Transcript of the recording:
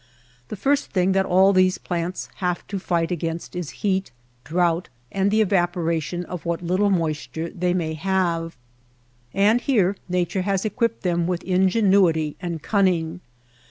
The first thing that all these plants have to fight against is heat, drouth, and the evaporation of what little moisture they may have. And here !N^ature has equipped them with ingenuity and cunning.